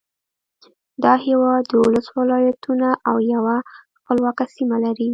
دا هېواد دولس ولایتونه او یوه خپلواکه سیمه لري.